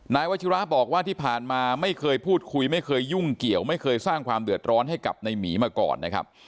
นายวัชิระบอกว่าที่ผ่านมาไม่เคยพูดคุยไม่เคยยุ่งเกี่ยวไม่เคยสร้างความเดือดร้อนให้กับในหมีมาก่อนนะครับ